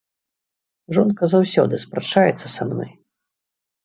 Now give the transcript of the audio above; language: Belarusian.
Жонка заўсёды спрачаецца са мной.